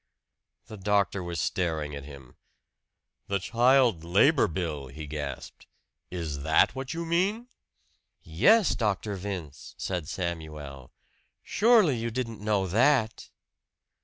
The doctor was staring at him. "The child labor bill!" he gasped. "Is THAT what you mean?" "Yes, Dr. Vince," said Samuel. "Surely you didn't know that!"